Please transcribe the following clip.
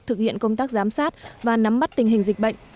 thực hiện công tác giám sát và nắm bắt tình hình dịch bệnh